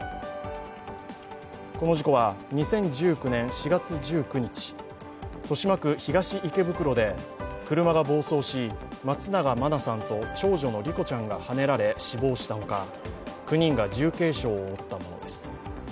この事故は２０１９年４月１９日、豊島区東池袋で車が暴走し松永真菜さんと長女の莉子ちゃんがはねられ、死亡したほか９人が重軽傷を負ったものです。